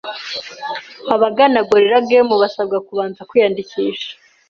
abagana Gorilla Games basabwa kubanza kwiyandikisha